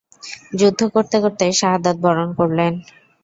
যুদ্ধ করতে করতে শাহাদাত বরণ করলেন।